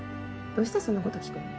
どうしてそんな事聞くの？